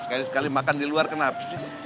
sekali sekali makan di luar kenapa